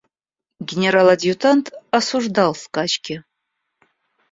Генерал-адъютант осуждал скачки.